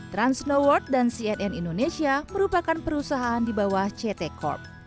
transnoworld dan cnn indonesia merupakan perusahaan di bawah ct corp